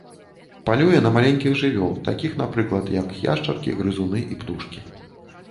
Палюе на маленькіх жывёл, такіх, напрыклад, як яшчаркі, грызуны і птушкі.